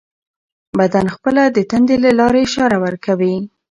بدن خپله د تندې له لارې اشاره ورکوي.